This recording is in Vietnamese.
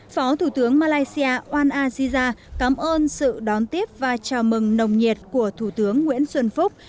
phó thủ tướng malaysia oan aziza cảm ơn sự đón tiếp và chào mừng nồng nhiệt của thủ tướng nguyễn xuân phúc